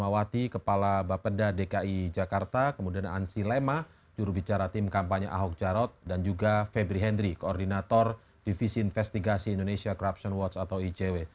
megawati kepala bapeda dki jakarta kemudian ansi lema jurubicara tim kampanye ahok jarot dan juga febri hendri koordinator divisi investigasi indonesia corruption watch atau icw